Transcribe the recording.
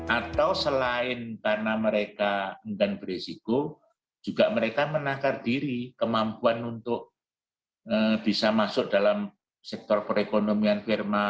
atau selain karena mereka enggan beresiko juga mereka menakar diri kemampuan untuk bisa masuk dalam sektor perekonomian firma